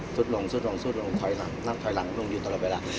ซุดลงซุดลงซุดลงถอยหลังนับถอยหลังลงยืนตลอดไปแล้ว